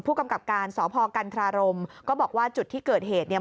กำกับการสพกันทรารมก็บอกว่าจุดที่เกิดเหตุเนี่ย